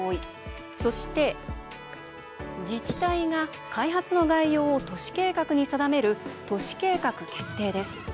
そして、自治体が開発の概要を都市計画に定める都市計画決定です。